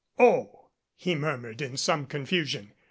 "Oh," he murmured in some confusion.